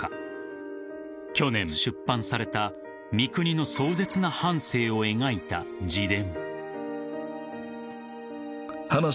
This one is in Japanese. ［去年出版された三國の壮絶な半生を描いた自伝］